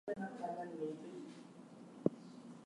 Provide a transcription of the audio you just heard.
The rebels incorporated combined tactics to fight the Roman Army.